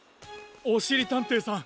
おしりたんていさん